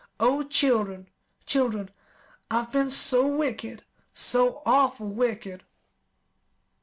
Oh, children, children, I've been so wicked so awful wicked!"